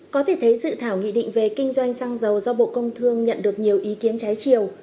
có thể thấy dự thảo nghị định về kinh doanh xăng dầu do bộ công thương nhận được nhiều ý kiến trái chiều